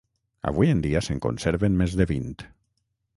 Avui en dia se'n conserven més de vint.